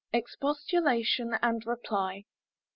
EXPOSTULATION AND REPLY.